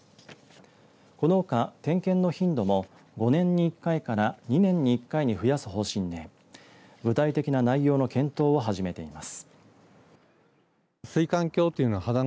このほか、点検の頻度も５年に１回から２年に１回に増やす方針で具体的な内容の検討を始めています。